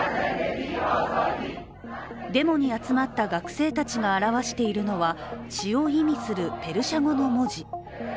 デモに集まった学生たちが表しているのは「血」を意味するペルシャ語の文字。